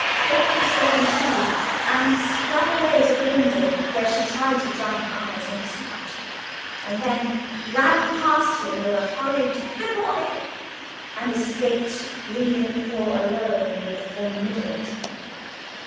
Dulcie saw him too, and sprang away to the window, where she tried to dry her eyes unperceived, and then ran past him with a hurried good morning, and escaped, leaving Paul alone with the formidable Tipping.